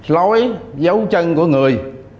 lối dấu chân của người